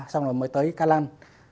xong rồi mới tới kalan